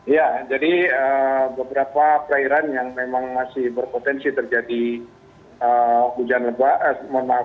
ya jadi beberapa perairan yang memang masih berpotensi terjadi hujan lebat